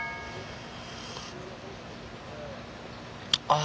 あ！